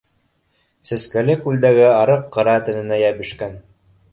Сәскәле күлдәге арыҡ ҡыра тәненә йәбешкән